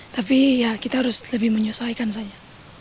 tapi ya kita harus lebih menyesuaikan saja